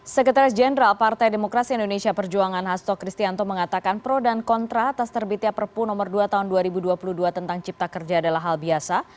sekretaris jenderal partai demokrasi indonesia perjuangan hasto kristianto mengatakan pro dan kontra atas terbitnya perpu nomor dua tahun dua ribu dua puluh dua tentang cipta kerja adalah hal biasa